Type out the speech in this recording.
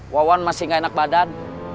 wawan masih gak enak badan